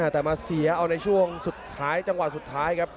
แต่มาเสียเอาในช่วงสุดท้ายจังหวะสุดท้ายครับ